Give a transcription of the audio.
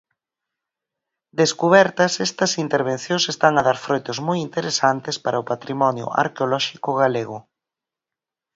Descubertas Estas intervencións están a dar froitos moi interesantes para o patrimonio arqueolóxico galego.